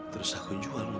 terus aku jualnya